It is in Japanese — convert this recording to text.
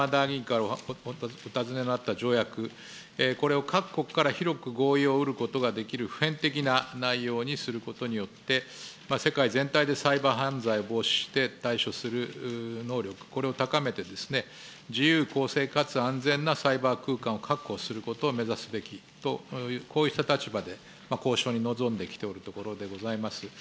政府として今、山田委員からお尋ねのあった条約、これを各国から広く合意をうることができる普遍的な内容にすることによって、世界全体でサイバー犯罪を防止して、対処する能力、これを高めて、自由公正かつ安全なサイバー空間を確保することを目指すべきと、こうした立場で交渉に臨んできているところでございます。